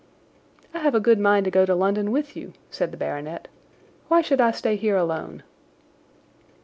"I have a good mind to go to London with you," said the baronet. "Why should I stay here alone?"